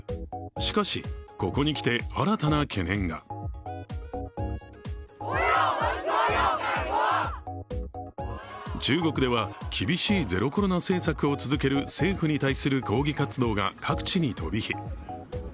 しかし、ここに来て新たな懸念が中国では厳しいゼロコロナ政策を続ける政府に対する抗議活動が各地に飛び火。